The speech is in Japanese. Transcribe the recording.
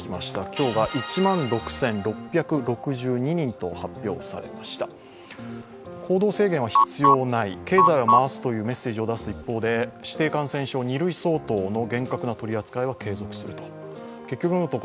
今日が１万６６６２人と発表されました行動制限は必要ない、経済を回すというメッセージを出す一方で、指定感染症２類相当の厳格な取り扱いは継続すると。